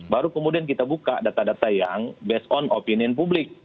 baru kemudian kita buka data data yang based on opinion publik